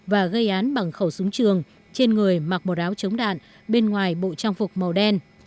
và gây án bằng khẩu súng trường trên người mặc một áo chống đạn bên ngoài bộ trang phục màu đen